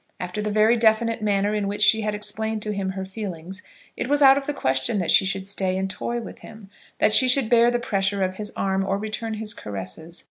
After the very definite manner in which she had explained to him her feelings, it was out of the question that she should stay and toy with him; that she should bear the pressure of his arm, or return his caresses.